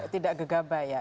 tidak gegabah ya